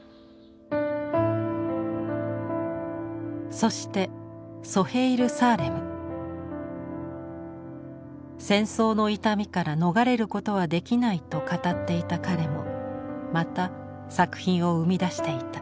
そして戦争の痛みから逃れることはできないと語っていた彼もまた作品を生み出していた。